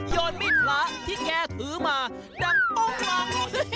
โยนมิดพระที่แกถือมาดังตรงหลัง